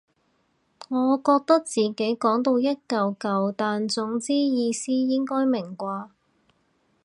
我覺得自己講到一嚿嚿但總之意思應該明啩